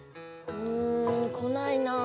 うん来ないなぁ。